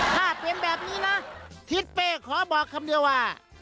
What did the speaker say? ถ้าเป็นแบบนี้นะทิศเป้ขอบอกคำเดียวว่า